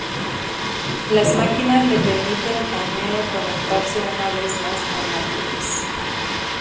Las máquinas le permiten a Neo conectarse una vez más a Matrix.